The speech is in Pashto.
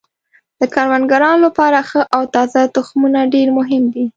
د کروندګرانو لپاره ښه او تازه تخمونه ډیر مهم دي.